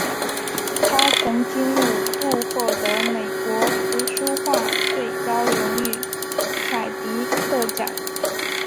他曾经五度获得美国图画书最高荣誉凯迪克奖。